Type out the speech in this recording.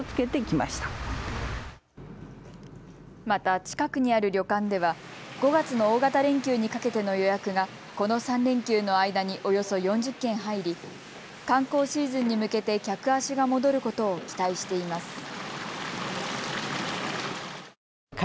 また近くにある旅館では５月の大型連休にかけての予約がこの３連休の間におよそ４０件入り観光シーズンに向けて客足が戻ることを期待しています。